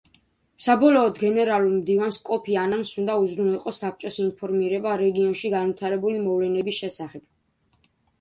საბოლოოდ, გენერალურ მდივანს, კოფი ანანს უნდა უზრუნველყო, საბჭოს ინფორმირება რეგიონში განვითარებულ მოვლენების შესახებ.